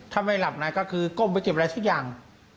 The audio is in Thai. ถ้าไม่หลับไหนก็คือก้มไปเก็บอะไรสักอย่าง